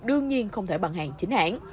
đương nhiên không thể bằng hàng chính hãng